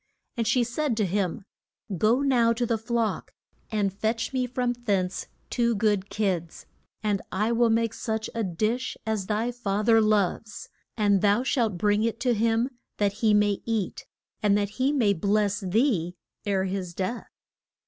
And she said to him, Go now to the flock, and fetch me from thence two good kids, and I will make such a dish as thy fa ther loves. And thou shalt bring it to him that he may eat, and that he may bless thee ere his death.